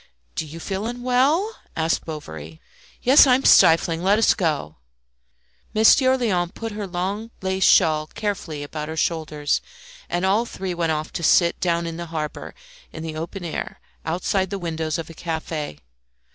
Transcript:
"Do you feel unwell?" asked Bovary. "Yes, I am stifling; let us go." Monsieur Léon put her long lace shawl carefully about her shoulders, and all three went off to sit down in the harbour, in the open air, outside the windows of a cafe.